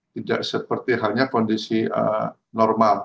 tidak seperti halnya kondisi normal